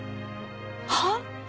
はあ！？